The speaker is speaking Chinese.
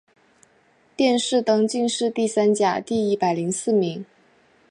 殿试登进士第三甲第一百零四名。